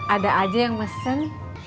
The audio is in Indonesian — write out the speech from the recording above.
ada aja yang mesen